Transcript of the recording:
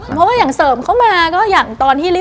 เพราะว่าอย่างเสริมเข้ามาก็อย่างตอนที่ลิ